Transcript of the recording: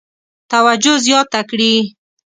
توجه زیاته کړي.